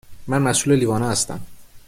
من مسئول لیوان ها هستم